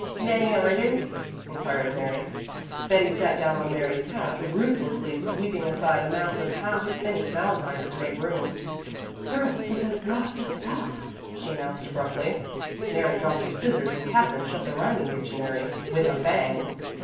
"Many orders?" inquired Mary. Betty sat down on Mary's couch, ruthlessly sweeping aside a mass of half finished valentines to make room. "Girls, this has got to stop," she announced abruptly. Mary dropped her scissors and Katherine shut the rhyming dictionary with a bang.